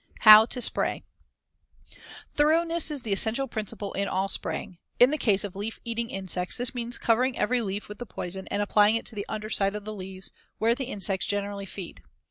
How to spray: Thoroughness is the essential principle in all spraying. In the case of leaf eating insects, this means covering every leaf with the poison and applying it to the under side of the leaves, where the insects generally feed.